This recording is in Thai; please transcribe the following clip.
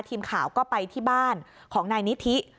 ทีมข่าวก็ไปที่บ้านของนายนิธิ